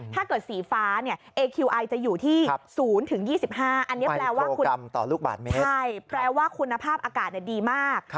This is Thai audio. ใช่แปลว่าคุณภาพอากาศดีมาก